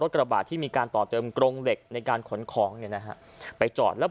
กระบาดที่มีการต่อเติมกรงเหล็กในการขนของเนี่ยนะฮะไปจอดแล้ว